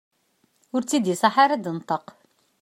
Ur tt-id-iṣaḥ ara ad d-tenṭeq.